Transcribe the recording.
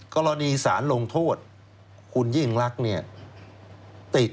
กรณีสารลงโทษคุณยิ่งรักเนี่ยติด